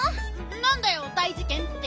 なんだよ大じけんって。